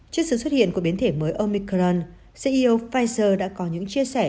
trước sự xuất hiện của biến thể mới omicuran ceo pfizer đã có những chia sẻ